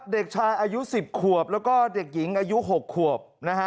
เด็กชายอายุ๑๐ขวบแล้วก็เด็กหญิงอายุ๖ขวบนะฮะ